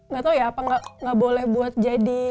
gak tau ya apa nggak boleh buat jadi